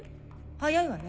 速いわね。